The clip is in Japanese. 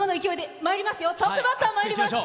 トップバッターまいります。